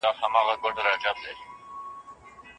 د پناه غوښتنې قانون د بشر د حقوقو مهمه برخه جوړوي.